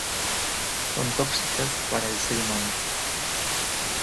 Son tóxicas para el ser humano.